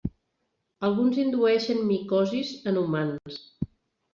Alguns indueixen micosis en humans.